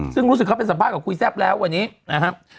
ซึ่งรู้สึกเขาไปสัมภาษณ์คุยแซ่บแล้ววันนี้นะครับ